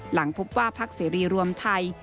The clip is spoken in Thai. หลังพบว่าพักเสรีรวมไทย